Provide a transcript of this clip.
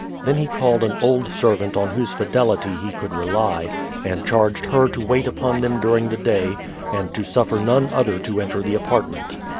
Then he called an old servant on whose fidelity he could rely, and charged her to wait upon them during the day, and to suffer none other to enter the apartment.